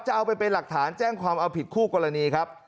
เอาไปเป็นหลักฐานแจ้งความเอาผิดคู่กรณีครับ